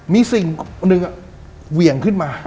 มีสิ่งหนึ่งเหวี่ยงขึ้นมา